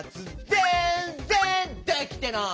ぜんぜんできてない！